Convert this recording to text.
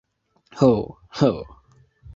Ho, ho!